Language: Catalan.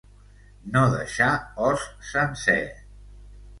No deixar os sencer.